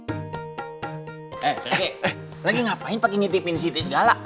eh eh eh lagi ngapain pake nyitipin siti segala